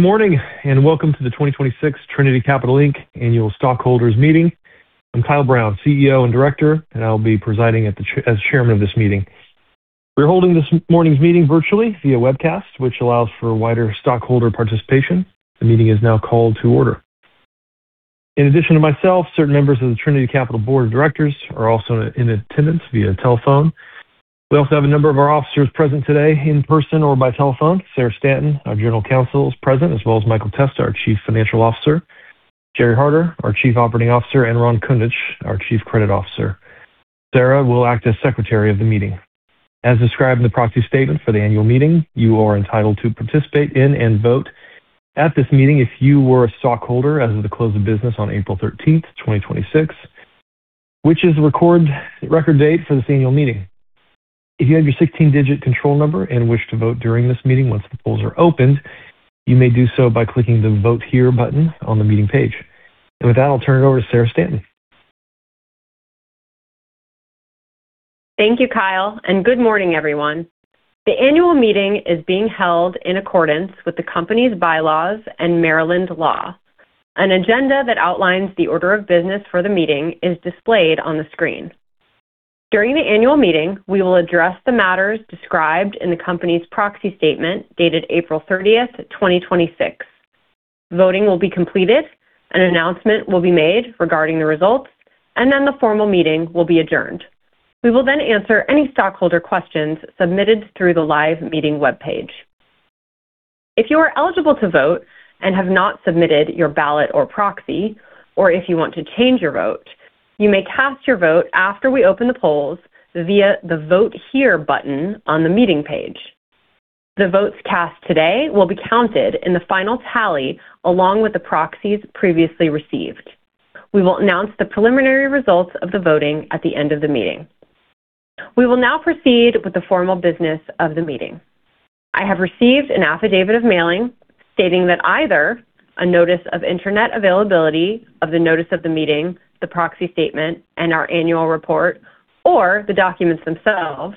Morning, welcome to the 2026 Trinity Capital Inc. Annual Stockholders Meeting. I'm Kyle Brown, CEO and Director, and I'll be presiding as chairman of this meeting. We're holding this morning's meeting virtually via webcast, which allows for wider stockholder participation. The meeting is now called to order. In addition to myself, certain members of the Trinity Capital Board of Directors are also in attendance via telephone. We also have a number of our officers present today in person or by telephone. Sarah Stanton, our General Counsel, is present, as well as Michael Testa, our Chief Financial Officer, Gerald Harder, our Chief Operating Officer, and Ronald Kundich, our Chief Credit Officer. Sarah will act as Secretary of the meeting. As described in the proxy statement for the annual meeting, you are entitled to participate in and vote at this meeting if you were a stockholder as of the close of business on April 13th, 2026, which is the record date for this annual meeting. If you have your 16-digit control number and wish to vote during this meeting once the polls are opened, you may do so by clicking the Vote Here button on the meeting page. With that, I'll turn it over to Sarah Stanton. Thank you, Kyle, and good morning, everyone. The annual meeting is being held in accordance with the company's bylaws and Maryland law. An agenda that outlines the order of business for the meeting is displayed on the screen. During the annual meeting, we will address the matters described in the company's proxy statement dated April 30th, 2026. Voting will be completed, an announcement will be made regarding the results, then the formal meeting will be adjourned. We will then answer any stockholder questions submitted through the live meeting webpage. If you are eligible to vote and have not submitted your ballot or proxy, or if you want to change your vote, you may cast your vote after we open the polls via the Vote Here button on the meeting page. The votes cast today will be counted in the final tally, along with the proxies previously received. We will announce the preliminary results of the voting at the end of the meeting. We will now proceed with the formal business of the meeting. I have received an affidavit of mailing, stating that either a notice of internet availability of the notice of the meeting, the proxy statement, and our annual report, or the documents themselves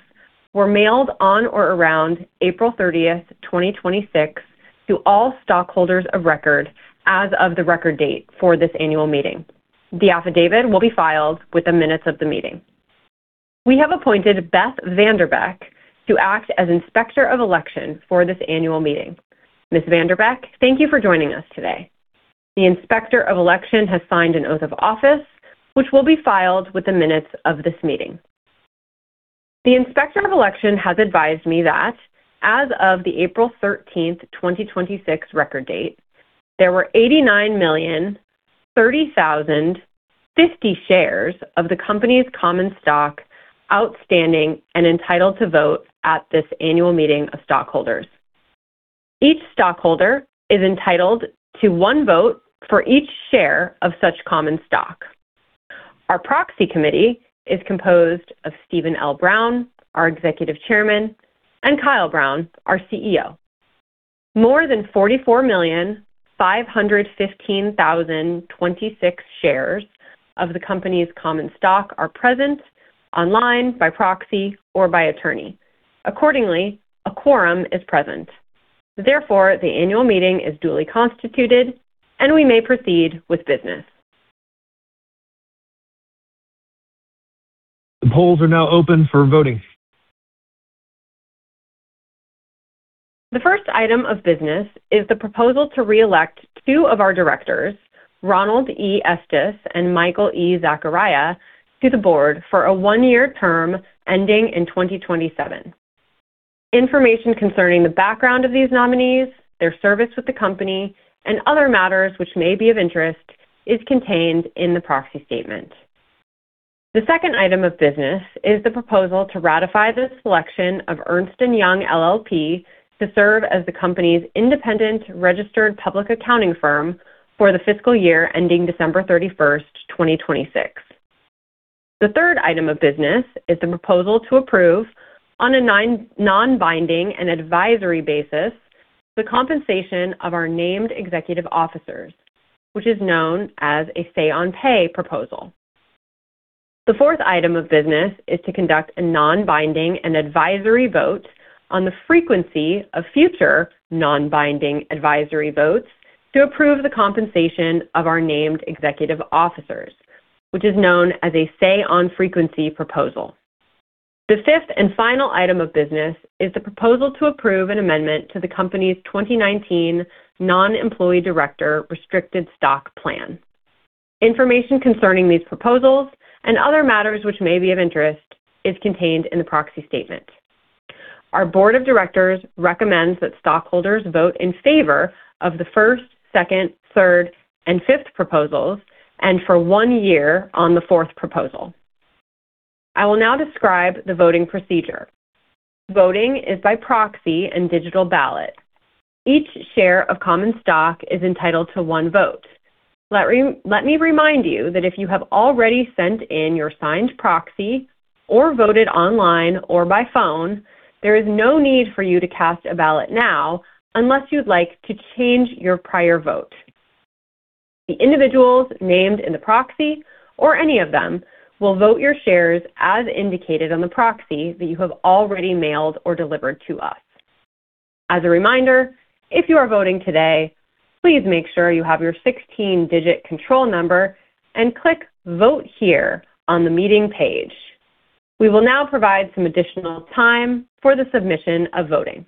were mailed on or around April 30th, 2026 to all stockholders of record as of the record date for this annual meeting. The affidavit will be filed with the minutes of the meeting. We have appointed Beth VanDerbeck to act as Inspector of Election for this annual meeting. Ms. VanDerbeck, thank you for joining us today. The Inspector of Election has signed an oath of office, which will be filed with the minutes of this meeting. The Inspector of Election has advised me that as of the April 13th, 2026 record date, there were 89,030,050 shares of the company's common stock outstanding and entitled to vote at this annual meeting of stockholders. Each stockholder is entitled to one vote for each share of such common stock. Our Proxy Committee is composed of Steven L. Brown, our Executive Chairman, and Kyle Brown, our CEO. More than 44,515,026 shares of the company's common stock are present online by proxy or by attorney. Accordingly, a quorum is present. Therefore, the annual meeting is duly constituted and we may proceed with business. The polls are now open for voting. The first item of business is the proposal to reelect two of our directors, Ronald E. Estes and Michael E. Zacharia, to the board for a one-year term ending in 2027. Information concerning the background of these nominees, their service with the company, and other matters which may be of interest is contained in the proxy statement. The second item of business is the proposal to ratify the selection of Ernst & Young LLP to serve as the company's independent registered public accounting firm for the fiscal year ending December 31st, 2026. The third item of business is the proposal to approve, on a non-binding and advisory basis, the compensation of our named executive officers, which is known as a Say on Pay proposal. The fourth item of business is to conduct a non-binding and advisory vote on the frequency of future non-binding advisory votes to approve the compensation of our named executive officers, which is known as a Say on Frequency proposal. The fifth and final item of business is the proposal to approve an amendment to the company's Trinity Capital Inc. 2019 Non-Employee Director Restricted Stock Plan. Information concerning these proposals and other matters which may be of interest is contained in the proxy statement. Our board of directors recommends that stockholders vote in favor of the first, second, third, and fifth proposals, and for one year on the fourth proposal. I will now describe the voting procedure. Voting is by proxy and digital ballot. Each share of common stock is entitled to one vote. Let me remind you that if you have already sent in your signed proxy or voted online or by phone, there is no need for you to cast a ballot now unless you'd like to change your prior vote. The individuals named in the proxy or any of them will vote your shares as indicated on the proxy that you have already mailed or delivered to us. As a reminder, if you are voting today, please make sure you have your 16-digit control number and click Vote Here on the meeting page. We will now provide some additional time for the submission of voting.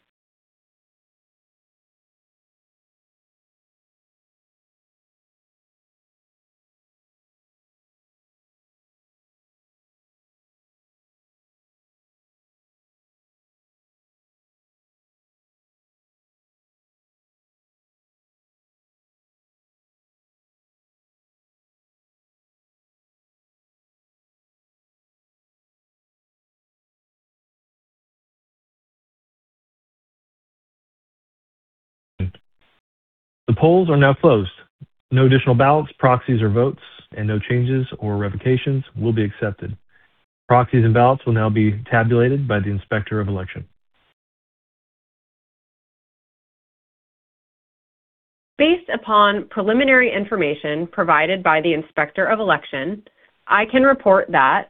The polls are now closed. No additional ballots, proxies, or votes, and no changes or revocations will be accepted. Proxies and ballots will now be tabulated by the Inspector of Election. Based upon preliminary information provided by the Inspector of Election, I can report that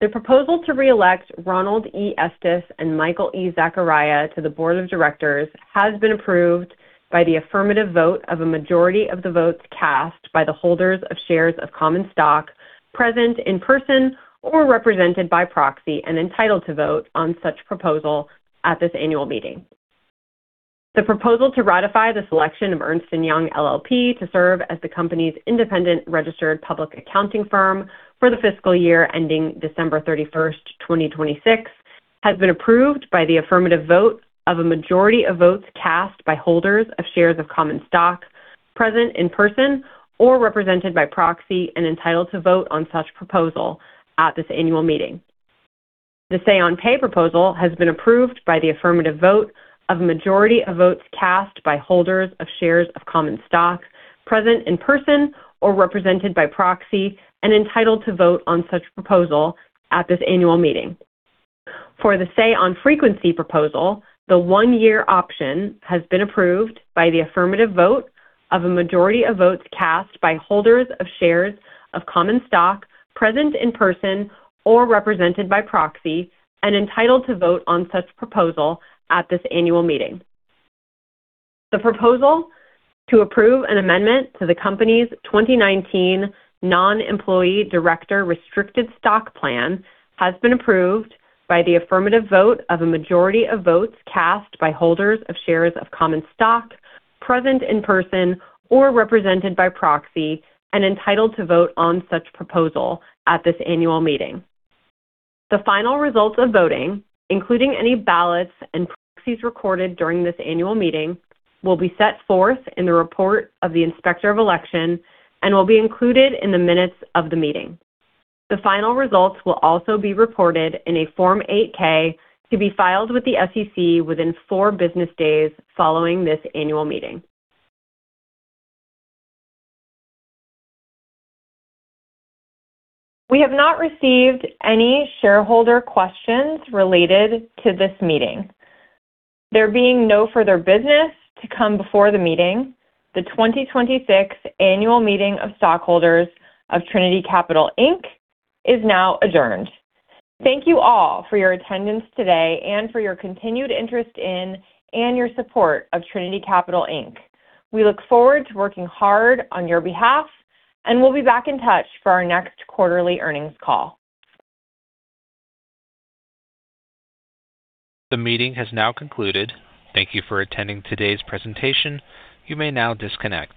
the proposal to reelect Ronald E. Estes and Michael E. Zacharia to the Board of Directors has been approved by the affirmative vote of a majority of the votes cast by the holders of shares of common stock present in person or represented by proxy and entitled to vote on such proposal at this annual meeting. The proposal to ratify the selection of Ernst & Young LLP to serve as the company's independent registered public accounting firm for the fiscal year ending December 31st, 2026, has been approved by the affirmative vote of a majority of votes cast by holders of shares of common stock present in person or represented by proxy and entitled to vote on such proposal at this annual meeting. The Say on Pay proposal has been approved by the affirmative vote of a majority of votes cast by holders of shares of common stock present in person or represented by proxy and entitled to vote on such proposal at this annual meeting. For the Say on Frequency proposal, the one-year option has been approved by the affirmative vote of a majority of votes cast by holders of shares of common stock present in person or represented by proxy and entitled to vote on such proposal at this annual meeting. The proposal to approve an amendment to the company's 2019 Non-Employee Director Restricted Stock Plan has been approved by the affirmative vote of a majority of votes cast by holders of shares of common stock present in person or represented by proxy and entitled to vote on such proposal at this annual meeting. The final results of voting, including any ballots and proxies recorded during this annual meeting, will be set forth in the report of the Inspector of Election and will be included in the minutes of the meeting. The final results will also be reported in a Form 8-K to be filed with the SEC within four business days following this annual meeting. We have not received any shareholder questions related to this meeting. There being no further business to come before the meeting, the 2026 Annual Meeting of Stockholders of Trinity Capital Inc. is now adjourned. Thank you all for your attendance today and for your continued interest in and your support of Trinity Capital Inc. We look forward to working hard on your behalf, and we'll be back in touch for our next quarterly earnings call. The meeting has now concluded. Thank you for attending today's presentation. You may now disconnect.